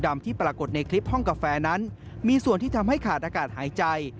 มีส่วนที่ทำให้ขาดอากาศหายใจ